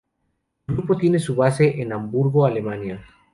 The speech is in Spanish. El grupo tiene su base en Hamburgo, Alemania.